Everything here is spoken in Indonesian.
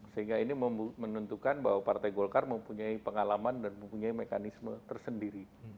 sehingga ini menentukan bahwa partai golkar mempunyai pengalaman dan mempunyai mekanisme tersendiri